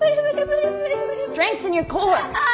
ああ！